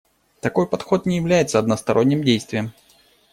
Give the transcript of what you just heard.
Такой подход не является односторонним действием.